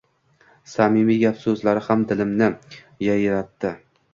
Samimiy gap-so‘zlari ham dilimni yayratdi.